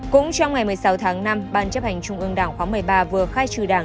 cũng trong ngày một mươi sáu tháng năm ban chấp hành trung ương đảng khóa một mươi ba vừa khai trừ đảng